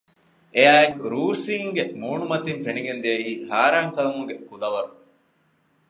އެއާއެކު ރޫޝިންގެ މޫނުމަތިން ފެނިގެން ދިޔައީ ހައިރާންކަމުގެ ކުލަވަރު